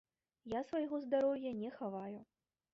Я свайго здароўя не хаваю.